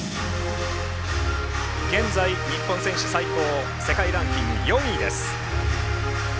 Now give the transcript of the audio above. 現在、日本選手最高世界ランキング４位です。